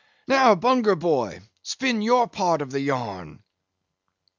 Now, Bunger boy, spin your part of the yarn."